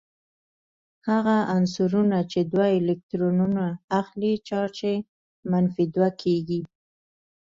هغه عنصرونه چې دوه الکترونونه اخلې چارج یې منفي دوه کیږي.